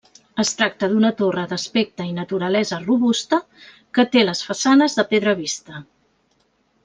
Es tracta d'una torre d'aspecte i naturalesa robusta que té les façanes de pedra vista.